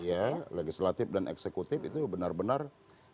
ya legislatif dan eksekutif itu benar benar